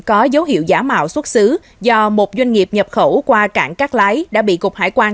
có dấu hiệu giả mạo xuất xứ do một doanh nghiệp nhập khẩu qua cảng cát lái đã bị cục hải quan